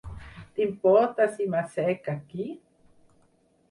T'importa si m'assec aquí?